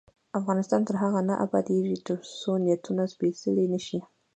افغانستان تر هغو نه ابادیږي، ترڅو نیتونه سپیڅلي نشي.